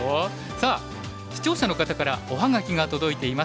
さあ視聴者の方からお葉書が届いています。